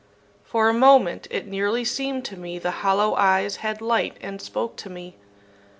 ... For a moment it nearly seemed to me the hollow eyes had light and spoke to me.